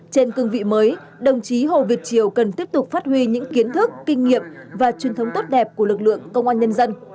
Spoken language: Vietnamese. trên cương vị mới đồng chí hồ việt triều cần tiếp tục phát huy những kiến thức kinh nghiệm và truyền thống tốt đẹp của lực lượng công an nhân dân